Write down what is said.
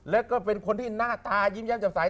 แล้วก็เป็นคนที่หน้าตายิ้มแย้มจำใส